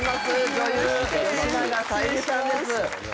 女優吉永小百合さんです。